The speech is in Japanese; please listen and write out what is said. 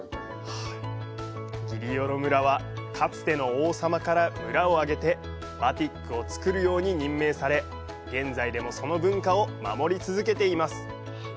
ギリロヨ村はかつての王様から村をあげてバティックを作るよう任命され現在でもその文化を守り続けています。